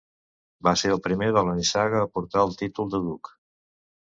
Va ser el primer de la nissaga a portar el títol de duc.